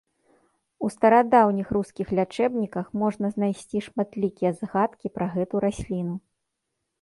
У старадаўніх рускіх лячэбніках можна знайсці шматлікія згадкі пра гэту расліну.